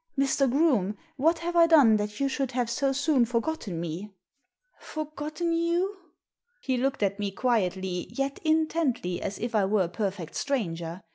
" Mr. Groome, what have I done that you should have so soon forgotten me ?"" Forgotten you ?" He looked at me quietly, yet intently, as if I were a perfect stranger.